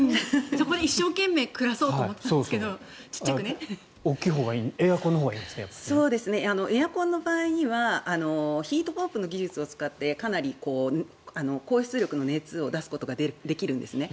そこで一生懸命暮らそうと思いましたがエアコンのほうがエアコンの場合はヒートポンプの技術を使って高出力の熱を出すことができるんですね。